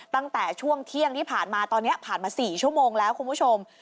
ตั้งแต่ช่วงเที่ยงที่ผ่านมาตอนนี้ผ่านมา๔ชั่วโมงแล้วคุณผู้ชม